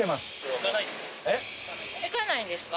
行かないんですか？